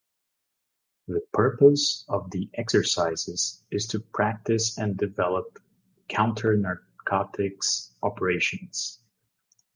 The purpose of the exercises is to practice and develop counter-narcotics operations.